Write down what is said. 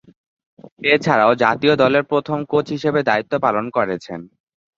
এছাড়াও, জাতীয় দলের প্রথম কোচ হিসেবে দায়িত্ব পালন করেছেন।